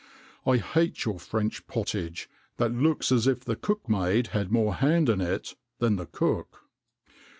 I hate your French pottage, that looks as if the cook maid had more hand in it than the cook."